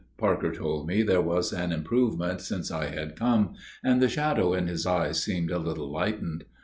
Parker told me there was an improvement since I had come: and the shadow in his eyes seemed a little lightened.